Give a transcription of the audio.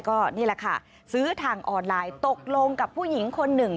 ก็นี่แหละค่ะซื้อทางออนไลน์ตกลงกับผู้หญิงคนหนึ่ง